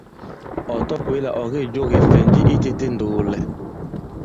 Ɔ̀ tabwě là ɔ̀ kê jo kìfɛ̀nji i tētē ì ndoolɛ.